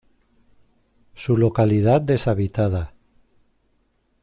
Su localidad deshabitada.